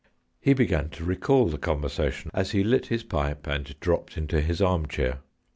He began to recall the conversation as he lit his pipe and dropped into his armchair.